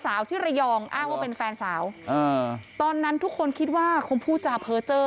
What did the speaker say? อ่ะไม่ต้องเกาะเออวงไว้ก่อนอย่าจ่ายอะไร